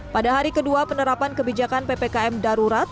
pada hari kedua penerapan kebijakan ppkm darurat